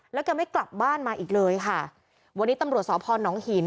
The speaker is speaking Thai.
แล้วแกไม่กลับบ้านมาอีกเลยค่ะวันนี้ตำรวจสพนหิน